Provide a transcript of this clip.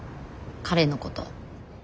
彼のこと。